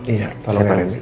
iya tolong ya ren